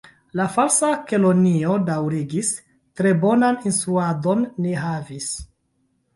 La Falsa Kelonio daŭrigis: "Tre bonan instruadon ni havis. »